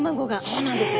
そうなんです。